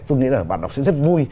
tôi nghĩ là bản đọc sẽ rất vui